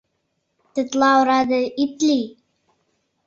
Тетла ораде ит лий!